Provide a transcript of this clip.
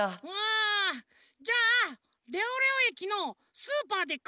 ああじゃあ「レオレオえきのスーパーでかいものするひと」。